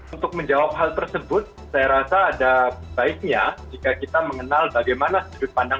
untuk menjawab hal tersebut saya rasa ada baiknya jika kita mengenal bagaimana sudut pandang